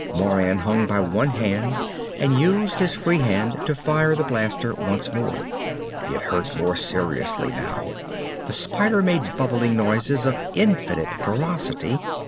Moran hung by one hand and used his free hand to fire the blaster once more. It hurt more seriously, now. The spider made bubbling noises of infinite ferocity.